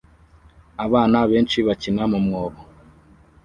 Abana benshi bakina mu mwobo